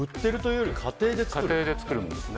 家庭で作るんですね。